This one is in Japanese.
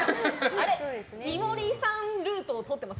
井森さんルートを通ってます？